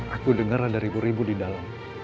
aku dengar ada ribu ribu di dalam